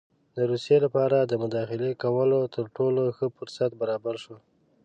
د روسیې لپاره د مداخلې کولو تر ټولو ښه فرصت برابر شو.